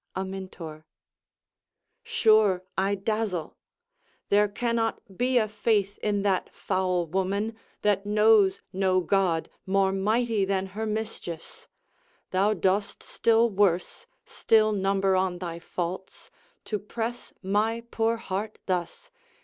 Amintor Sure, I dazzle: There cannot be a faith in that foul woman, That knows no God more mighty than her mischiefs. Thou dost still worse, still number on thy faults, To press my poor heart thus.